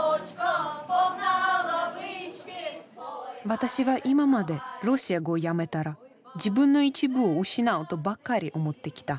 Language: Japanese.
私は今までロシア語をやめたら自分の一部を失うとばかり思ってきた。